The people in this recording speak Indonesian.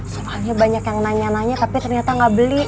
soalnya banyak yang nanya nanya tapi ternyata nggak beli